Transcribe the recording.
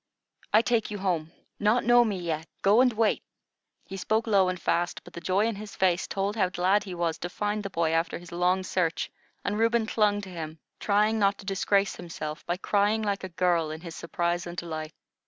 "I take you home. Not know me yet. Go and wait." He spoke low and fast; but the joy in his face told how glad he was to find the boy after his long search, and Reuben clung to him, trying not to disgrace himself by crying like a girl, in his surprise and delight.